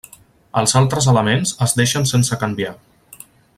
Els altres elements es deixen sense canviar.